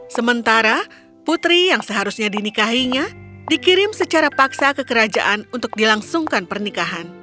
sementara putri yang seharusnya dinikahinya dikirim secara paksa ke kerajaan untuk dilangsungkan pernikahan